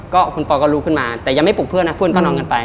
ก็คุณปอก็ลุกขึ้นมาแต่ยังไม่ปลุกเพื่อนนะเพื่อนก็นอนกันไป